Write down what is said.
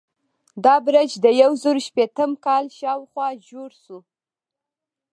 دا برج د یو زرو شپیتم کال شاوخوا جوړ شو.